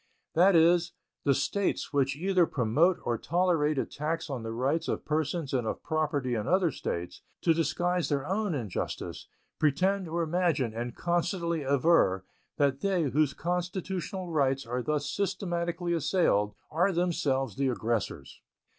That is, the States which either promote or tolerate attacks on the rights of persons and of property in other States, to disguise their own injustice, pretend or imagine, and constantly aver, that they, whose constitutional rights are thus systematically assailed, are themselves the aggressors.